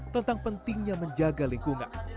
tentang pentingnya menjaga lingkungan